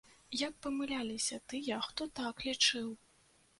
Як памыляліся тыя, хто так лічыў!